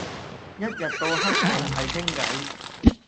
一日到黑淨係傾計